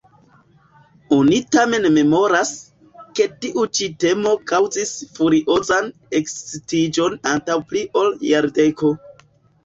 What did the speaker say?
Oni tamen memoras, ke tiu ĉi temo kaŭzis furiozan ekscitiĝon antaŭ pli ol jardeko.